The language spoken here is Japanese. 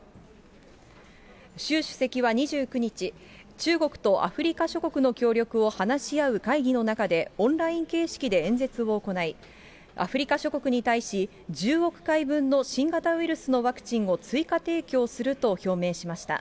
習主席は２９日、中国とアフリカ諸国の協力を話し合う会議の中で、オンライン形式で演説を行い、アフリカ諸国に対し、１０億回分の新型ウイルスのワクチンを追加提供すると表明しました。